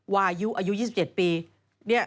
วายุอายุ๒๗ปี